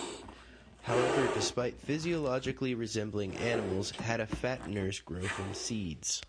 However, despite physiologically resembling animals, Hattifatteners grow from seeds.